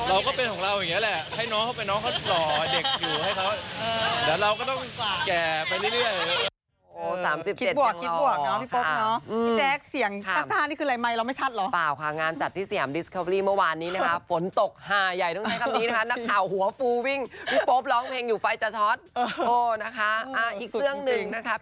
เราก็เป็นของเราอย่างนี้แหละให้น้องเข้าไปน้องเขาหล่อเด็กอยู่ให้เขา